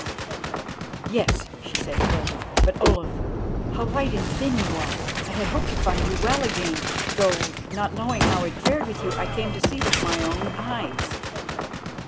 "Yes," she said hurriedly. "But, Olaf, how white and thin you are. I had hoped to find you well again, though, not knowing how it fared with you, I came to see with my own eyes."